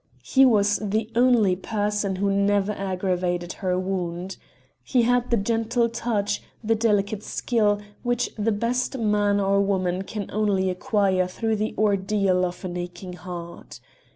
He was the only person who never aggravated her wound. He had the gentle touch, the delicate skill, which the best man or woman can only acquire through the ordeal of an aching heart.